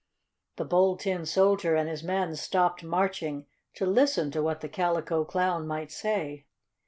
The Bold Tin Soldier and his men stopped marching to listen to what the Calico Clown might say.